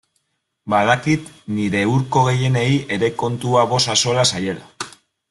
Badakit nire hurko gehienei ere kontua bost axola zaiela.